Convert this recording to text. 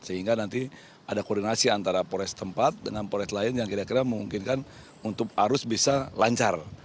sehingga nanti ada koordinasi antara pores tempat dengan pores lain yang kira kira memungkinkan untuk arus bisa lancar